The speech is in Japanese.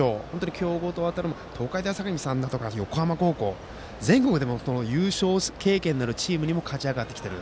強豪と当たって東海大相模さんとか横浜高校全国でも優勝経験のあるチームにも勝ち上がってきている。